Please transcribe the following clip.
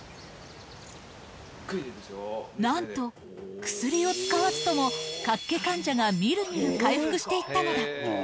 なんと薬を使わずとも、脚気患者がみるみる回復していったのだ。